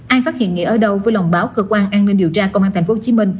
ai phát hiện nghĩa ở đâu với lòng báo cơ quan an ninh điều tra công an tp hcm